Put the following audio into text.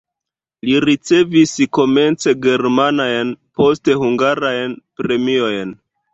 Li ricevis komence germanajn, poste hungarajn premiojn.